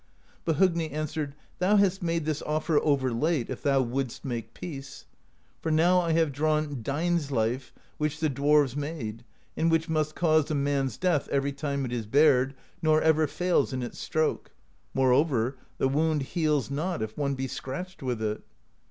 But Hogni answered: ^Thou hast made this offer over late, if thou wouldst make peace: for now I have drawn Dainsleif, which the dwarves made, and which must cause a man's death every time it is bared, nor ever fails in its stroke; moreover, the wound heals not if one be scratched with it.'